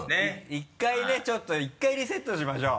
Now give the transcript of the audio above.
１回ねちょっと１回リセットしましょう。